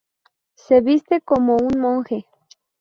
Se viste como un monje.